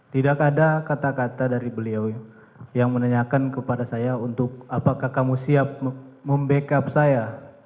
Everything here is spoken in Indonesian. tidak ada kata kata dari beliau yang menanyakan kepada saya untuk apakah kamu siap membackup saya